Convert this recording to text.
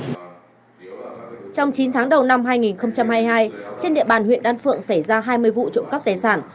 trong chín tháng đầu năm hai nghìn hai mươi hai trên địa bàn huyện đan phượng xảy ra hai mươi vụ trộm cắp tài sản